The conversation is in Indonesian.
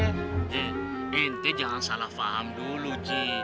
ente ente jangan salah faham dulu ji